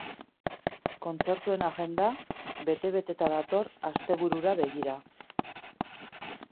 Kontzertuen agenda bete-beteta dator asteburura begira.